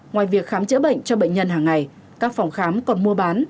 ngoài việc khám chữa bệnh cho bệnh nhân hàng ngày các phòng khám còn mua bán